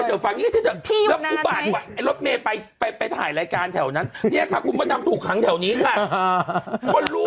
นั้นแหละสะพานกวายเหมือนจะได้ยินว่า